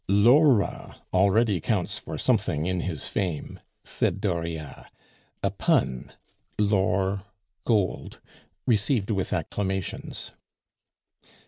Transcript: "Laura already counts for something in his fame," said Dauriat, a pun [Laure (l'or)] received with acclamations.